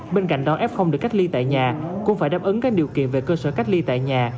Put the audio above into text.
bên cạnh đó f được cách ly tại nhà cũng phải đáp ứng các điều kiện về cơ sở cách ly tại nhà